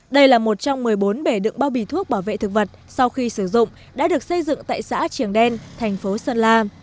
đây là một trong một mươi bốn bể đựng bao bì thuốc bảo vệ thực vật sau khi sử dụng đã được xây dựng tại xã triềng đen thành phố sơn la